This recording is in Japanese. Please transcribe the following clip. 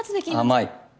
甘い。